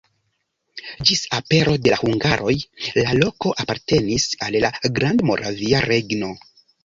Ĝis apero de la hungaroj la loko apartenis al la Grandmoravia Regno.